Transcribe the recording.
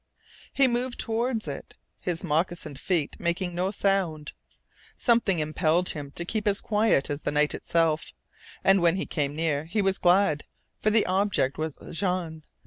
He moved toward it, his moccasined feet making no sound. Something impelled him to keep as quiet as the night itself. And when he came near he was glad. For the object was Jean.